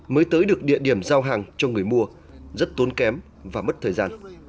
mới tới được địa điểm giao hàng cho người mua rất tốn kém và mất thời gian